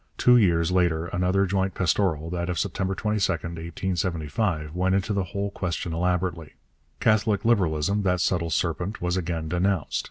Two years later another joint pastoral, that of September 22, 1875, went into the whole question elaborately. Catholic Liberalism, that subtle serpent, was again denounced.